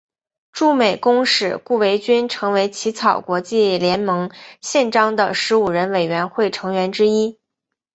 驻美公使顾维钧成为起草国际联盟宪章的十五人委员会成员之一。